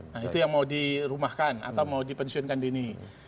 nah itu yang mau dirumahkan atau mau dipensiunkan dini